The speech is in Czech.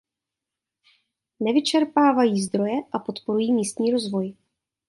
Nevyčerpávají zdroje a podporují místní rozvoj.